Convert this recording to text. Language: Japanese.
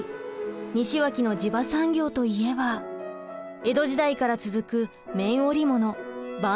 西脇の地場産業といえば江戸時代から続く綿織物播州織です。